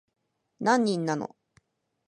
何人なの